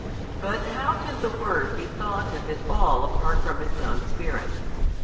But how can the Word be thought of at all apart from Its Own Spirit?